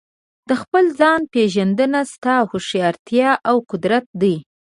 د خپل ځان پېژندنه ستا هوښیارتیا او قدرت دی.